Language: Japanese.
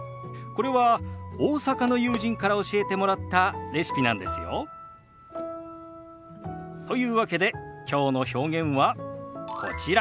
これは大阪の友人から教えてもらったレシピなんですよ。というわけできょうの表現はこちら。